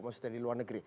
maksudnya di luar negeri